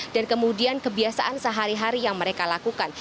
kemudian kebiasaan sehari hari yang mereka lakukan